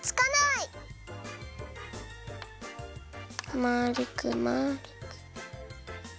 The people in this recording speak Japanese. まるくまるく。